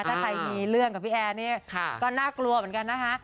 ถ้าใครมีเรื่องกับพี่แอร์เนี่ยก็น่ากลัวเหมือนกันนะคะ